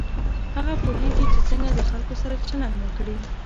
هغه پوهېږي چې څنګه د خلکو سره چلند وکړي.